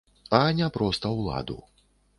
А не проста ўладу.